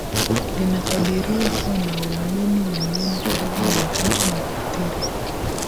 linakadiriwa kuwa na waumini milioni karibu Mia tatu na kuathiri